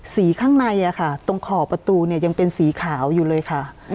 ข้างในตรงขอบประตูเนี่ยยังเป็นสีขาวอยู่เลยค่ะ